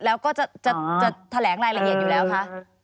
แล้วก็จะแถลงรายละเอียดอยู่แล้วคะ